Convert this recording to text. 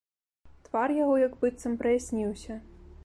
Твар яго як быццам праясніўся.